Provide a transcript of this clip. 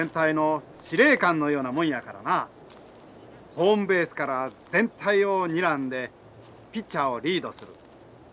ホームベースから全体をにらんでピッチャーをリードする。